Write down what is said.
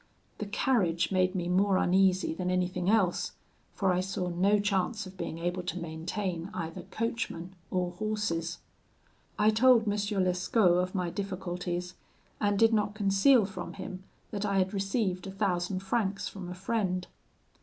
The carriage made me more uneasy than anything else, for I saw no chance of being able to maintain either coachman or horses. "I told M. Lescaut of my difficulties, and did not conceal from him that I had received a thousand francs from a friend.